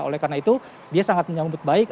oleh karena itu dia sangat menyambut baik